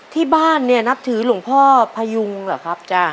ที่บ้านนับถือหลวงพ่อพายุงเหรอครับ